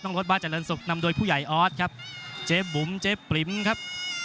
น้องโลศบาจรรยันทร์ศุกร์นำโดยผู้ใหญ่ออสครับเจฟบุ๋มเจฟปริมครับ